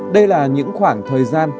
đây là những khoảng thời gian